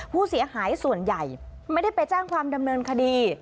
ผู้เสียหายส่วนใหญ่ไม่ได้ไปแจ้งความดำเนินคดี